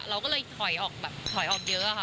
เราก็เลยถอยออกเยอะ